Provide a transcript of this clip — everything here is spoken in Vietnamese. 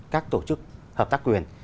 các tổ chức hợp tác quyền